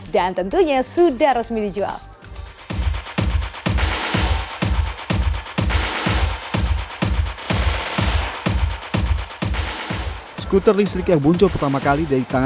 dan tentunya sudah resmi dijual